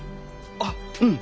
あっうん。